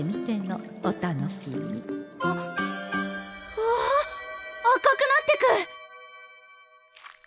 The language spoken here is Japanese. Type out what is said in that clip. うわ赤くなってく！